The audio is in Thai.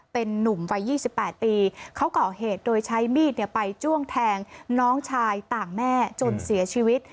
เป็นนุ่มวัย๒๘ปีเขาก่อเหตุโดยใช้มีดไปจ้วงแทงน้องชายต่างแม่จนเสียชีวิต